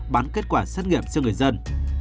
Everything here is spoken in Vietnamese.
bán kết quả xét nghiệm cho người dân